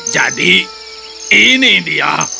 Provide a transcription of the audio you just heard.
jadi ini dia